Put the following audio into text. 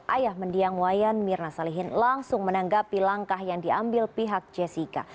ayah mendiang wayan mirna salihin langsung menanggapi langkah yang diambil pihak jessica